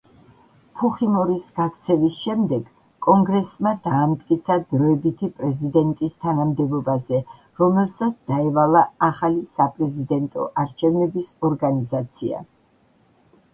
ფუხიმორის გაქცევის შემდეგ კონგრესმა დაამტკიცა დროებითი პრეზიდენტის თანამდებობაზე, რომელსაც დაევალა ახალი საპრეზიდენტო არჩევნების ორგანიზაცია.